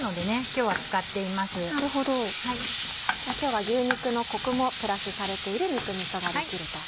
今日は牛肉のコクもプラスされている肉みそが出来ると。